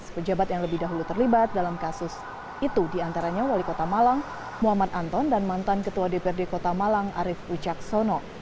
pejabat yang lebih dahulu terlibat dalam kasus itu diantaranya wali kota malang muhammad anton dan mantan ketua dprd kota malang arief ucaksono